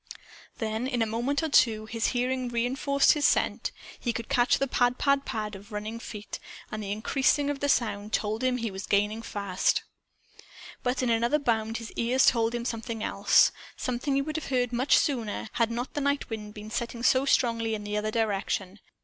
Then, in a moment or two, his hearing re enforced his scent. He could catch the pad pad pad of running feet. And the increasing of the sound told him he was gaining fast. But in another bound his ears told him something else something he would have heard much sooner, had not the night wind been setting so strongly in the other direction.